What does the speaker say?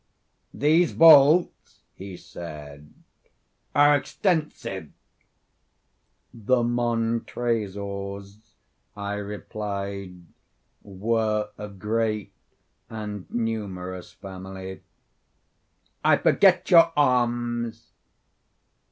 "These vaults," he said, "are extensive." "The Montresors," I replied, "were a great and numerous family." "I forget your arms."